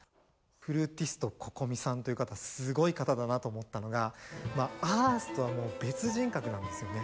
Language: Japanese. フルーティスト・Ｃｏｃｏｍｉさんという方すごい方だなと思ったのが「Ｅａｒｔｈ」とはもう別人格なんですよね。